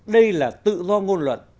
đây là tự do ngôn luật